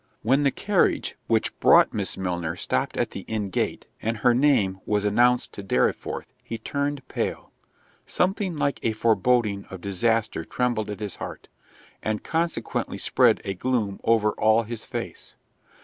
When the carriage, which brought Miss Milner, stopped at the inn gate, and her name was announced to Dorriforth, he turned pale—something like a foreboding of disaster trembled at his heart, and consequently spread a gloom over all his face.